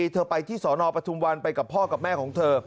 เธอไปที่สนปทุมวันไปกับพ่อกับแม่ของเธอ